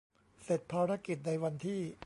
เสร็จภารกิจในวันที่